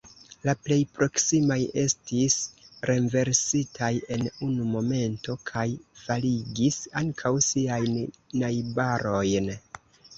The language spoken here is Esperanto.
La plej proksimaj estis renversitaj en unu momento kaj faligis ankaŭ siajn najbarojn.